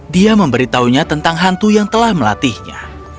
dia memberitahunya tentang hantu yang telah melatihnya